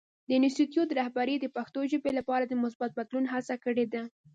د انسټیټوت رهبرۍ د پښتو ژبې لپاره د مثبت بدلون هڅه کړې ده.